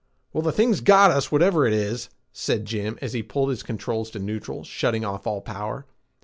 "Well, the thing's got us, whatever it is," said Jim as he pulled his controls to neutral, shutting off all power.